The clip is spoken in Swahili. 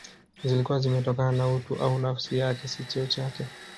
Zilikuwa zimetokana na utu au nafsi yake si cheo chake